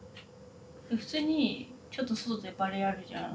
普通にちょっと外でバレーやるじゃん。